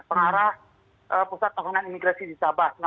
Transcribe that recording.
pengarah pusat tahanan imigrasi di sabah